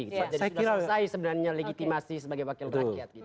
jadi sudah selesai sebenarnya legitimasi sebagai wakil rakyat gitu